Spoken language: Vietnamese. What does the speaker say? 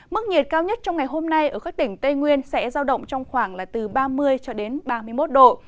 mức nhiệt cao nhất trong ngày hôm nay ở các tỉnh tây nguyên sẽ giao động trong khoảng là từ ba mươi cho đến ba mươi một độ